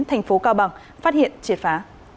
thành phố cao bằng phát hiện triệt phá